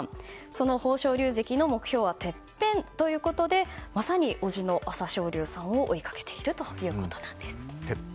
豊昇龍関の目標はてっぺんということでまさに叔父の朝青龍さんを追いかけているということです。